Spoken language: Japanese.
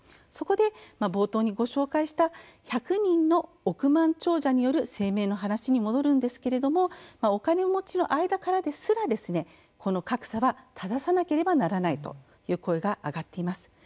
そこで冒頭でご紹介した１００人の億万長者による声明の話に戻るんですがお金持ちの間からですらこの格差は正さなければならないという声が上がっています。